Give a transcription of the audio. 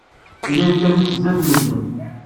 Yella yekkat-itt sdat medden.